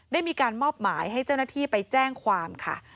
ได้มีการมอบหมายให้เจ้าหน้าที่ไปแจ้งความค่ะ